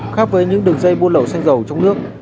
khác với những đường dây buôn lẩu xanh dầu trong nước